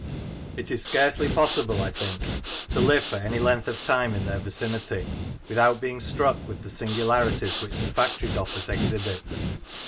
It is scarcely possible, I think, to live for any length of time in their vicinity without being struck with the singulari ties which the Factory Doffers exhibit.